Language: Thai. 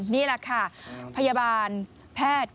นี่แหละค่ะพยาบาลแพทย์